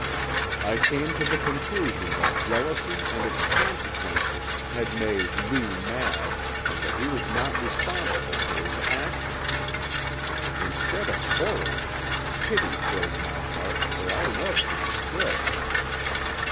"I came to the conclusion that jealousy and its consequences had made Lee mad and that he was not responsible for his actions. Instead of horror, pity filled my heart for I loved him still.